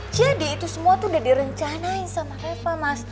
jadi itu semua sudah direncanain sama reva mas